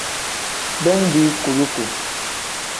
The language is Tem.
Bindi kuluku.